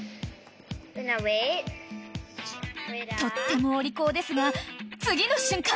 ［とってもお利口ですが次の瞬間！］